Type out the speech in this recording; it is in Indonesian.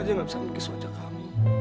kamu gak marah kan